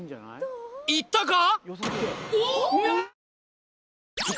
いったか？